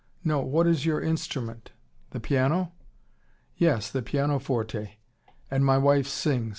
"No what is your instrument? The piano?" "Yes the pianoforte. And my wife sings.